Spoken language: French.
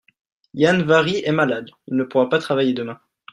Yann-Vari est malade, il ne pourra pas travailler demain.